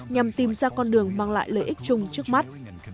nhằm tìm ra con đường mang lại lợi ích chung trước mắt